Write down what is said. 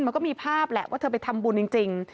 มันก็มีภาพแหละว่าเธอไปทำบุญจริง